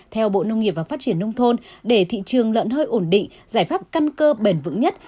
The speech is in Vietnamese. theo bộ nông nghiệp và phát triển nông thôn để thị trường lợn hơi ổn định giải pháp căn cơ bền vững nhất